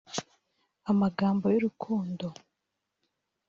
amagambo y’urukundo